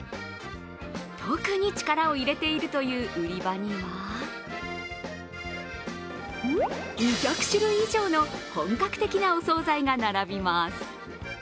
特に力を入れているという売り場には２００種類以上の本格的なお総菜が並びます。